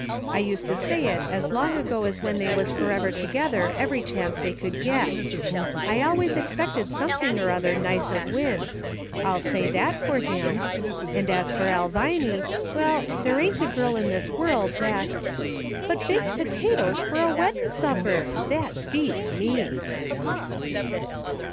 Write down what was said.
I used to say it as long ago as when they was forever together every chance they could get. I always expected some thing or other nice of Wint — I'll say that for him ; and as for Elviny, there ain't a girl in this world that — But baked potatoes for a weddin' supper ! That beats me